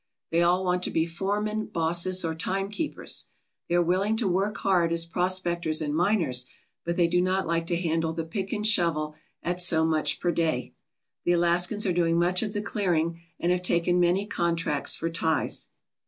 They all want to be foremen, bosses, or timekeepers. They are willing to work hard as prospectors and miners, but they do not like to handle the pick and shovel at so much per day. The Alaskans are doing much of the clearing and have taken many con tracts for ties.